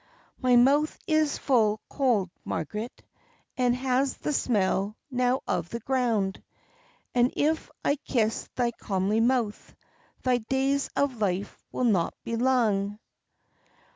"My mouth it is full cold, Margaret, It has the smell, now, of the ground; And if I kiss thy comely mouth, Thy days of life will not be lang.